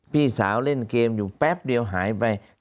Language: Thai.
พี่สาวเล่นเกมอยู่แป๊บเดียวหายไป